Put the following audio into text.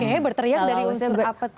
oke berteriak dari unsur apa tuh